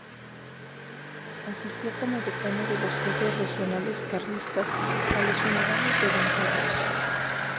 Asistió como decano de los jefes regionales carlistas a los funerales de Don Carlos.